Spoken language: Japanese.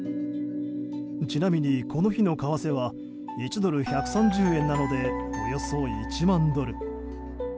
ちなみに、この日の為替は１ドル＝１３０円なのでおよそ１万ドル。